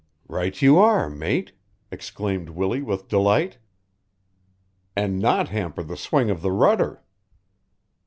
"Right you are, mate!" exclaimed Willie with delight. "And not hamper the swing of the rudder."